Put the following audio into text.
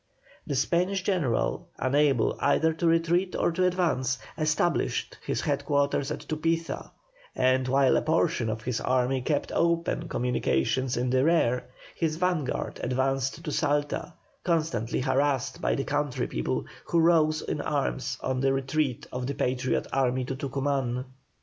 The Spanish general, unable either to retreat or to advance, established his headquarters at Tupiza; and while a portion of his army kept open communications in the rear, his vanguard advanced to Salta, constantly harassed by the country people, who rose in arms on the retreat of the Patriot army to Tucuman.